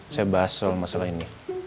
saya bahas soal masalah ini